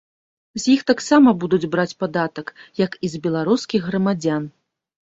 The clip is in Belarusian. З іх таксама будуць браць падатак, як і з беларускіх грамадзян.